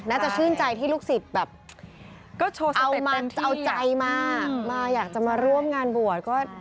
จะชื่นใจที่ลูกศิษย์แบบก็เอาใจมามาอยากจะมาร่วมงานบวช